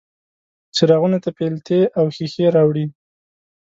څراغونو ته پیلتې او ښیښې راوړي